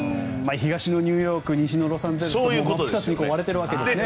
東のニューヨーク西のロサンゼルスと真っ二つに割れてるわけですね。